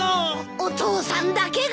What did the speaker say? お父さんだけが。